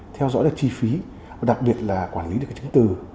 theo dõi được chi phí và đặc biệt là quản lý được cái chứng từ